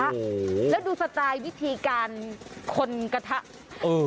โอ้โหแล้วดูสไตล์วิธีการคนกระทะเออ